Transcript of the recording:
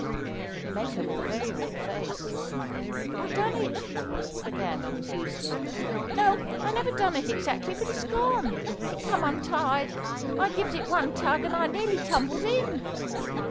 He met her with a very red face. "I done it," he began confusedly. "No, I never done it exactly, but it's gone. It come untied. I gived it one tug, and I nearly tumbled in."